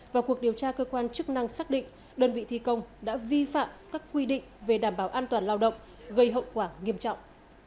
vào cuộc điều tra cơ quan chức năng xác định đơn vị thi công đã vi phạm các quy định về đảm bảo an toàn lao động gây hậu quả nghiêm trọng